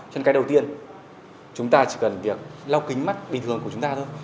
cho nên cái đầu tiên chúng ta chỉ cần việc lau kính mắt bình thường của chúng ta thôi